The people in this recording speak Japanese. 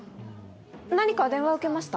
何か電話受けました？